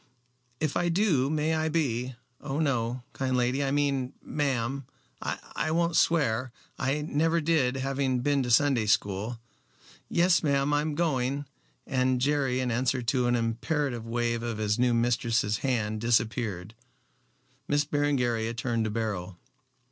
"If I do may I be oh no, kind lady I mean, ma'am I won't swear. I never did, having been to Sunday school. Yes, ma'am, I'm going," and Jerry in answer to an imperative wave of his new mistress's hand disappeared. Miss Berengaria turned to Beryl.